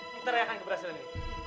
kita rayakan keberhasilan ini